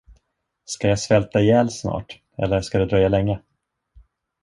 Skall jag svälta ihjäl snart, eller ska det dröja länge?